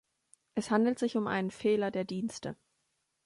Es handelt sich um einen Fehler der Dienste.